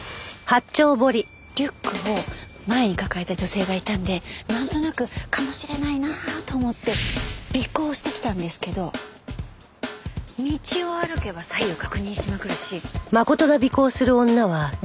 リュックを前に抱えた女性がいたんでなんとなくかもしれないなあと思って尾行してきたんですけど道を歩けば左右確認しまくるし。